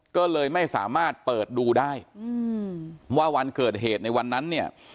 ก็เลยไม่สามารถเปิดดูได้ว่าวันเกิดเหตุในวันนั้นเนี่ย